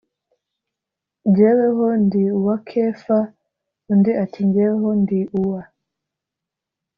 jyeweho ndi uwa kefa undi ati jyeweho ndi uwa